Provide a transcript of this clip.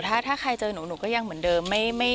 ถ้าใครเจอหนูหนูก็ยังเหมือนเดิม